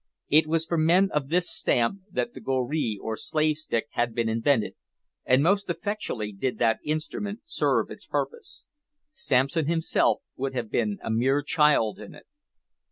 It was for men of this stamp that the goree, or slave stick, had been invented, and most effectually did that instrument serve its purpose. Samson himself would have been a mere child in it.